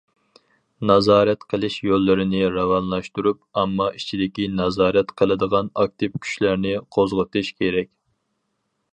نازارەت قىلىش يوللىرىنى راۋانلاشتۇرۇپ، ئامما ئىچىدىكى نازارەت قىلىدىغان ئاكتىپ كۈچلەرنى قوزغىتىش كېرەك.